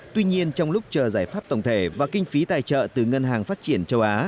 tuy nhiên trong lúc chờ giải pháp tổng thể và kinh phí tài trợ từ ngân hàng phát triển châu á